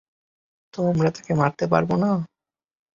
তো, আমরা তাকে মারতে পারবো না?